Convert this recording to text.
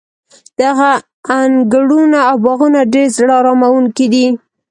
دغه انګړونه او باغونه ډېر زړه اراموونکي دي.